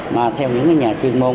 mà theo những nhà chuyên môn